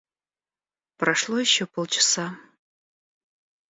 Прошло еще полчаса.